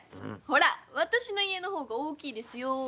ほら私の家の方が大きいですよ！